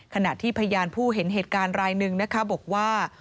ขณะที่พยานผู้เห็นเหตุการณ์รายหนึ่งนะคะบอกว่า